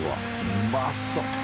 うまそう！